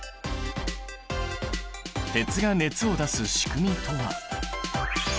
鉄が熱を出す仕組みとは。